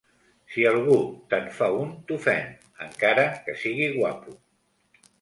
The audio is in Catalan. Si algú te'n fa un t'ofén, encara que sigui guapo.